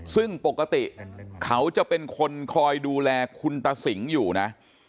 ซึ่งปกติเขาจะเป็นคนคอยดูแลคุณตาสิงอยู่นะ